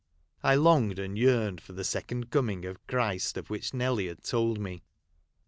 I longed and yearned for the second coming of Christ, of which Nelly had told me.